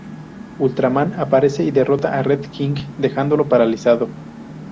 Ultraman aparece y derrota a Red king dejándolo paralizado.